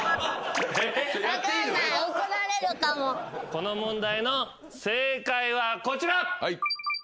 この問題の正解はこちら！